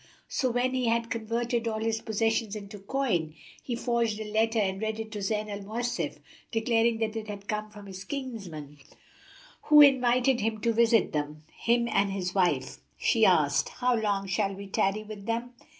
So, when he had converted all his possessions into coin, he forged a letter and read it to Zayn al Mawasif, declaring that it had come from his kinsmen, who invited him to visit them, him and his wife. She asked, "How long shall we tarry with them?"